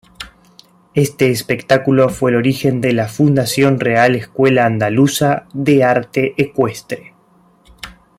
Este espectáculo fue el origen de la Fundación Real Escuela Andaluza de Arte Ecuestre.